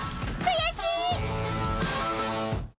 悔しい！